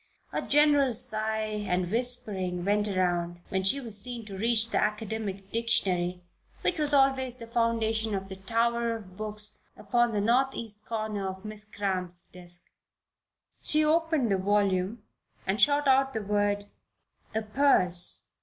A general sigh and whispering went around when she was seen to reach for the academic dictionary which was always the foundation of the tower of books upon the northeast corner of Miss Cramp's desk. She opened the volume and shot out the word: "Aperse."